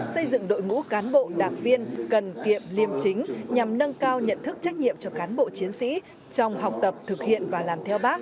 xây dựng đội ngũ cán bộ đặc viên cần kiệm liêm chính nhằm nâng cao nhận thức trách nhiệm cho cán bộ chiến sĩ